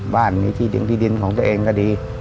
บ้านนี้ที่ดินของตัวเองก็ดี